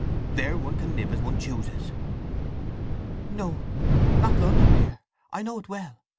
There one can live as one chooses." "No—not London, dear! I know it well.